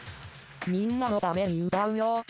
「みんなのために歌うよ！」